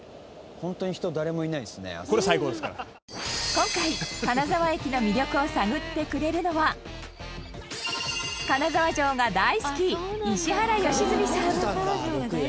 今回、金沢駅の魅力を探ってくれるのは金沢城が大好き、石原良純さん